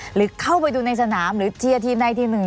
หรือเข้าไปดูในสนามหรือเชียร์ทีมใดทีมหนึ่ง